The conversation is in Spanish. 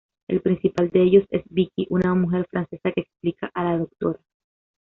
El principal de ellos es Vicky, una mujer francesa que explica a la Dra.